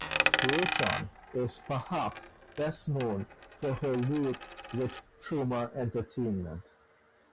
Rochon is perhaps best known for her work with Troma Entertainment.